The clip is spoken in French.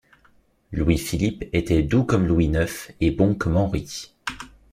Louis-Philippe était doux comme Louis neuf et bon comme Henri